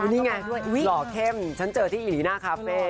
นี่ไงหล่อเข้มฉันเจอที่อิริน่าคาเฟ่